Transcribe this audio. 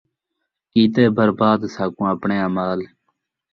کیتے برباد ساکوں اپݨیں اعمال